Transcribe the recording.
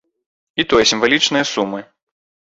І тое сімвалічныя сумы.